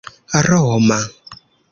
roma